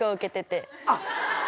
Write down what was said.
あっ。